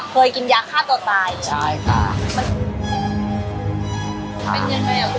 เคยกินยาฆ่าต่อตายใช่ค่ะใช่ค่ะ